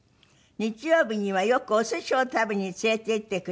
「日曜日にはよくお寿司を食べに連れていってくれます」